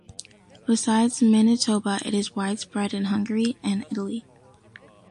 Besides Manitoba, it is widespread in Hungary and Italy.